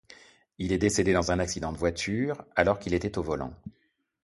Il est décédé dans un accident de voiture, alors qu'il était au volant.